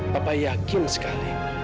papa yakin sekali